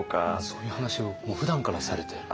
そういう話をふだんからされてる？